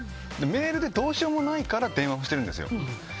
メールでどうしようもないから電話をしているんですよ。